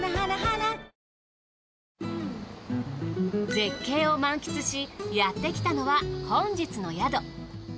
絶景を満喫しやってきたのは本日の宿。